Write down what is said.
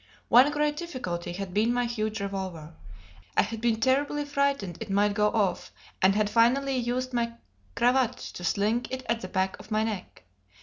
One great difficulty had been my huge revolver. I had been terribly frightened it might go off, and had finally used my cravat to sling it at the back of my neck.